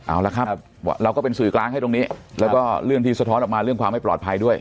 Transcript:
เอาละครับเราก็เป็นสื่อกลางให้ตรงนี้แล้วก็เรื่องที่สะท้อนออกมาเรื่องความไม่ปลอดภัยด้วย